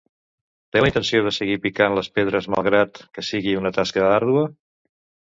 Té la intenció de seguir picant les pedres malgrat que sigui una tasca àrdua?